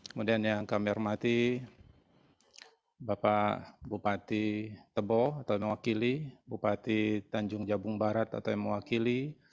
kemudian yang kami hormati bapak bupati tebo atau mewakili bupati tanjung jabung barat atau yang mewakili